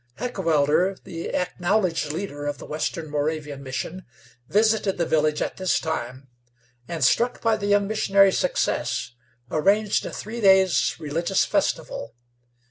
Heckewelder, the acknowledged leader of the western Moravian Mission, visited the village at this time, and, struck by the young missionary's success, arranged a three days' religious festival.